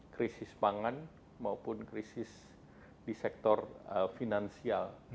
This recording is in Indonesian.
krisis pangan maupun krisis di sektor finansial